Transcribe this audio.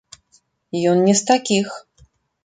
Ён не з такіх.